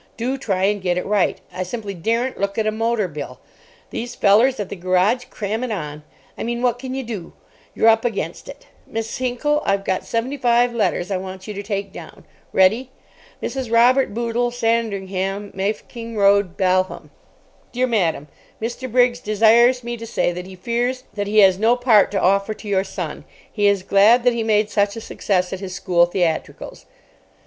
Do try and get it right—I simply daren't look at a motor bill. These fellers at the garage cram it on—I mean, what can you do? You're up against it—Miss Hinckel, I've got seventy five letters I want you to take down. Ready? 'Mrs. Robert Boodle, Sandringham, Mafeking Road, Balham. Dear Madam: Mr. Briggs desires me to say that he fears that he has no part to offer to your son. He is glad that he made such a success at his school theatricals.